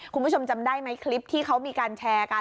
คุณผู้ชมจำได้ไหมคลิปที่เขามีการแชร์กัน